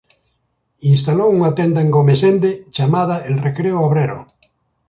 Instalou unha tenda en Gomesende chamada El Recreo Obrero.